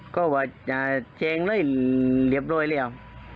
ก็ว่าแจ้งเลยเหลียบโดยเรียว